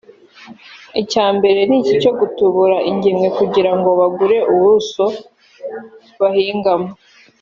icya mbere ni iki cyo gutubura ingemwe kugira ngo bagure ubuso bahingaho